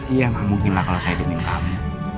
iya gak mungkin lah kalau saya jamin kamu